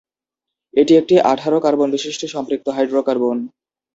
এটি একটি আঠারো কার্বন বিশিষ্ট সম্পৃক্ত হাইড্রোকার্বন।